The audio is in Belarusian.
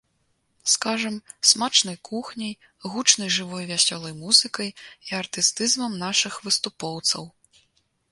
Скажам, смачнай кухняй, гучнай жывой вясёлай музыкай і артыстызмам нашых выступоўцаў.